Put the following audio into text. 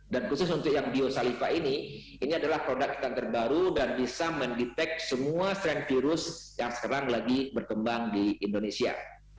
dan khusus untuk yang biosaliva ini ini adalah produk kita terbaru dan bisa mendeteksi semua strain virus yang sekarang lagi berkembang di indonesia